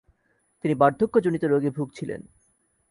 তিনি বার্ধক্যজনিত রোগে ভুগছিলেন।